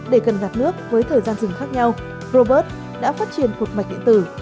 để cần gạt nước với thời gian dừng khác nhau robert đã phát triển một mạch điện tử